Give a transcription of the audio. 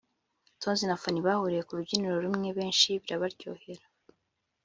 Tonzi na Fanny) bahuriye ku rubyiniro rumwe benshi birabaryohera